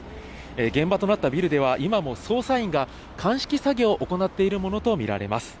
現場となったビルでは、今も捜査員が鑑識作業を行っているものと見られます。